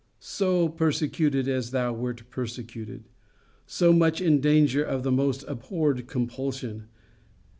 SO persecuted as thou wert persecuted! So much in danger of the most abhorred compulsion!